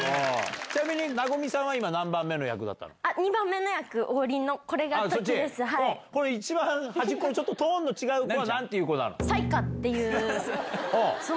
ちなみに和海さんは今、２番目の役、王林の、これでこれ、一番端っこで、ちょっとトーンの違う子は、なんていう子なの？